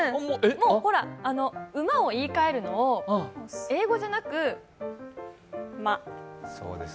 馬を言いかえるのを英語じゃなく、ま。